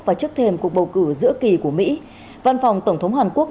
và trước thềm cuộc bầu cử giữa kỳ của mỹ văn phòng tổng thống hàn quốc